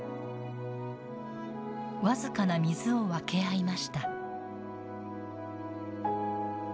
僅かな水を分け合いました。